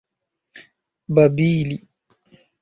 babili